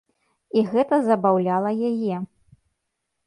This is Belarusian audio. І гэта забаўляла яе.